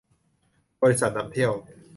บริษัทนำเที่ยว